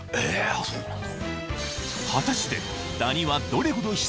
あっそうなんだ。